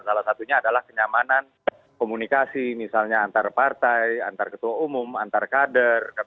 salah satunya adalah kenyamanan komunikasi misalnya antar partai antar ketua umum antar kader